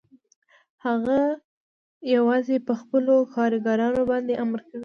هغه یوازې په خپلو کارګرانو باندې امر کوي